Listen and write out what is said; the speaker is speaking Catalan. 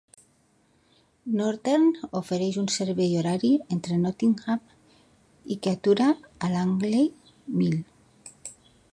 Northern ofereix un servei horari entre Nottingham i que atura a Langley Mill.